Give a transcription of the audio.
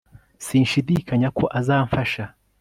sinshidikanya ko azamfasha